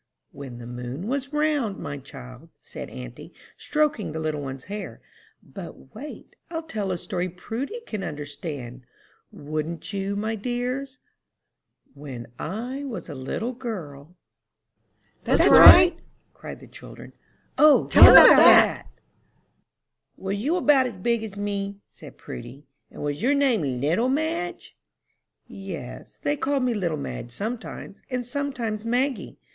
"When the moon was round, my child," said auntie, stroking the little one's hair. "But wait. I'll tell a story Prudy can understand wouldn't you, my dears? When I was a little girl " [Illustration: AUNT MADGE TELLING A STORY.] "That's right," cried the children. "O, tell about that." "Was you about as big as me?" said Prudy, "and was your name little Madge?" "Yes, they called me little Madge sometimes, and sometimes Maggie.